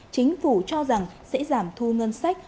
chính phủ cho rằng sẽ giảm thu ngân sách